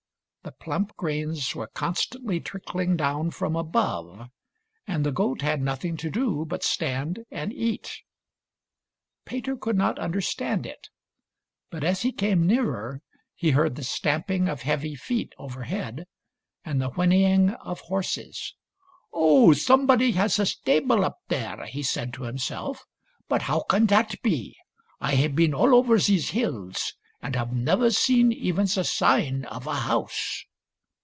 The plump grains were constantly trickling down from above, and the goat had nothing to do but stand and eat Peter could not understand it. But as he came nearer he heard the stamping of heavy feet over head and the whinnying of horses. 228 THIRTY MORE FAMOUS STORIES " Oh, somebody has a stable up there," he said to himself ;" but how can that be ? I have been all over these hills, and have never seen even the sign of a house."